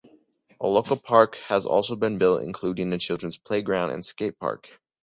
A local park has also been built including a children's playground and skatepark.